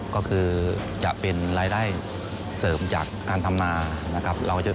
ก็คือจะเป็นรายได้เสริมจากการทำนานะครับ